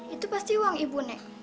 itu pasti uang ibu nek